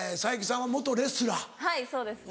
はいそうですね。